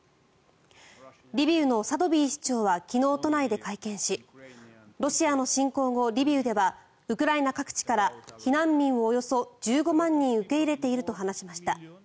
リビウのサドビー市長は昨日、都内で会見しロシアの侵攻後リビウではウクライナ各地から避難民およそ１５万人を受け入れていると話しました。